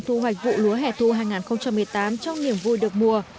thu hoạch vụ lúa hẻ thu hai nghìn một mươi tám trong niềm vui được mùa